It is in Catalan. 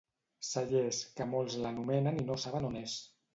Cellers, que molts l'anomenen i no saben on és.